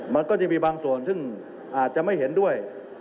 มันก็จะมีบางส่วนซึ่งอาจจะไม่เห็นด้วย